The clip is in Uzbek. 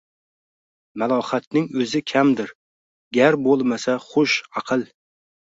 Malohatning o`zi kamdir, gar bo`lmasa xush, aql